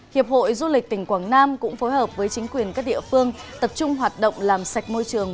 hiệp hội du lịch tỉnh quảng nam cũng phối hợp với chính quyền các địa phương tập trung hoạt động làm sạch môi trường